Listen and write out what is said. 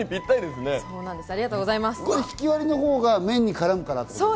これひきわりのほうが麺に絡むから。